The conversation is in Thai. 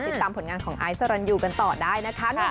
ติดตามผลงานของไอซรันยูกันต่อได้นะคะ